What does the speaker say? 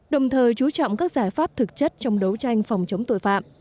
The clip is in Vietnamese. đồng thời chú trọng các giải pháp thực chất trong đấu tranh phòng chống tội phạm